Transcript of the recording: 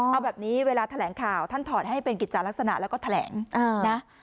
เอาแบบนี้เวลาแถลงข่าวท่านถอดให้เป็นกิจจารักษณะแล้วก็แถลงนะ